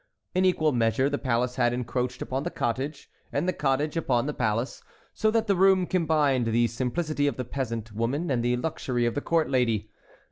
In equal measure the palace had encroached upon the cottage, and the cottage upon the palace, so that the room combined the simplicity of the peasant woman and the luxury of the court lady.